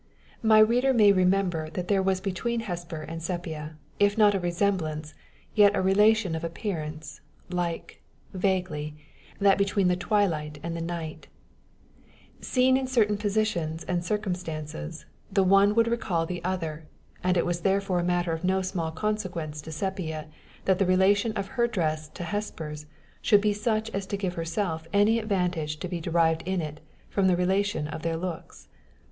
My reader may remember that there was between Hesper and Sepia, if not a resemblance, yet a relation of appearance, like, vaguely, that between the twilight and the night; seen in certain positions and circumstances, the one would recall the other; and it was therefore a matter of no small consequence to Sepia that the relation of her dress to Hesper's should be such as to give herself any advantage to be derived in it from the relation of their looks.